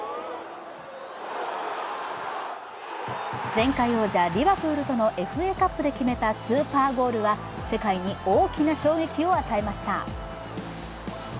前回王者・リヴァプールとのＦＡカップで決めたスーパーゴールは世界に大きな衝撃を与えました。